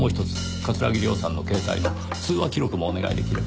桂木涼さんの携帯の通話記録もお願い出来れば。